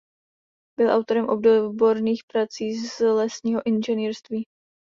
Byl autorem odborných prací z lesního inženýrství.